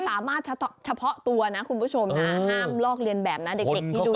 ความสามารถเฉพาะตัวนะคุณผู้ชมนะห้ามลอกเลียนแบบนะเด็กที่ดูอยู่